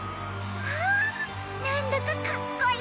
あなんだかかっこいいな。